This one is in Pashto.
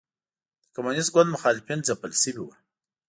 د کمونېست ګوند مخالفین ځپل شوي وو.